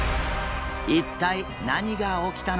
一体何が起きたのか？